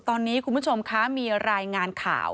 ตอนนี้คุณผู้ชมคะมีรายงานข่าว